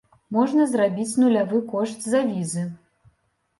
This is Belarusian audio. Можна зрабіць нулявы кошт за візы.